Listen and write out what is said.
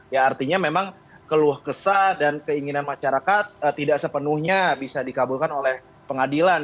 ya artinya memang keluh kesah dan keinginan masyarakat tidak sepenuhnya bisa dikabulkan oleh pengadilan